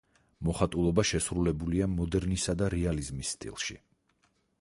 მოხატულობა შესრულებულია მოდერნისა და რეალიზმის სტილში.